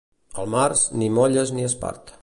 Al març, ni molles ni espart.